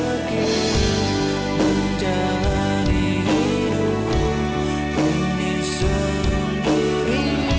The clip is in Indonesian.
kau tak bisa mengingatkan diri sendiri